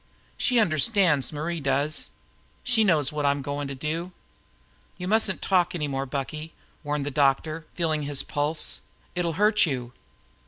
She understands, Marie does! She knows what I'm goin' to do " "You mustn't talk any more, Bucky," warned the doctor, feeling his pulse. "It'll hurt you."